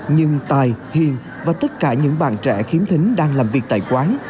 nhưng tài hiền và tất cả những bạn trẻ khiếm thính đang làm việc tại quán